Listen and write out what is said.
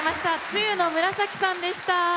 露の紫さんでした！